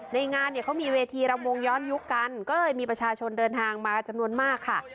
งานเนี่ยเขามีเวทีรำวงย้อนยุคกันก็เลยมีประชาชนเดินทางมาจำนวนมากค่ะ